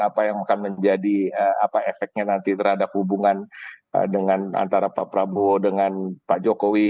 apa yang akan menjadi efeknya nanti terhadap hubungan dengan antara pak prabowo dengan pak jokowi